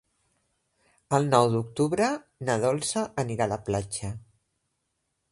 El nou d'octubre na Dolça anirà a la platja.